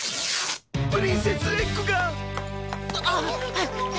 プリンセスエッグが！